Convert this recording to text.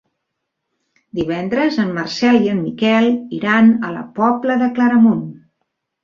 Divendres en Marcel i en Miquel iran a la Pobla de Claramunt.